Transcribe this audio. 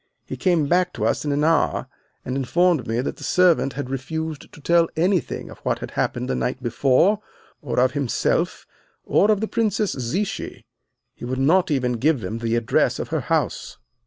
He came back to us in an hour, and informed me that the servant had refused to tell anything of what had happened the night before, or of himself, or of the Princess Zichy. He would not even give them the address of her house.